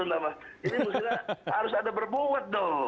ini maksudnya harus ada berbuat dong